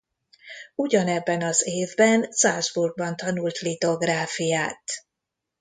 Ugyanebben az évben Salzburgban tanult litográfiát.